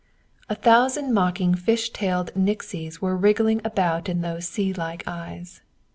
A thousand mocking fish tailed nixies were wriggling about in those sea like eyes.